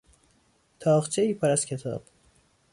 تاقچهای پر از کتاب